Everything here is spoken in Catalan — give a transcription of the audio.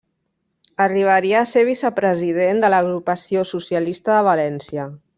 Arribaria a ser vicepresident de l'Agrupació socialista de València.